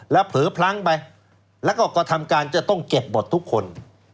แล้วเผลอพลั้งไปแล้วก็กระทำการจะต้องเก็บหมดทุกคน